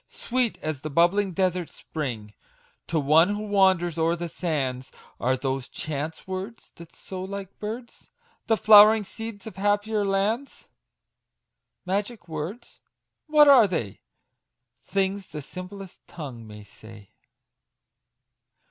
Sweet as the bubbling desert spring To one who wanders o'er the sands, Are those chance words, that sow like birds The flowering seeds of happier lands ! Magic words ! what are they ? Things the simplest tongue may say